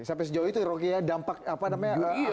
sampai sejauh itu roky dampak apa namanya